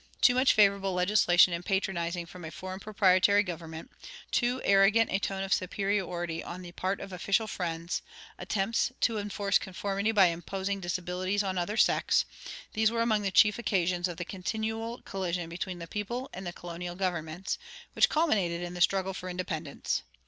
Too much favorable legislation and patronizing from a foreign proprietary government, too arrogant a tone of superiority on the part of official friends, attempts to enforce conformity by imposing disabilities on other sects these were among the chief occasions of the continual collision between the people and the colonial governments, which culminated in the struggle for independence.